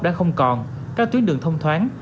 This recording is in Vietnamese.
đã không còn các tuyến đường thông thoáng